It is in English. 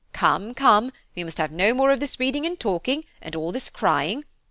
"Come, come, we must have no more of this reading and talking, and all this crying.